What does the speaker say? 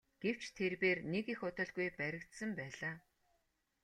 Гэвч тэрбээр нэг их удалгүй баригдсан байлаа.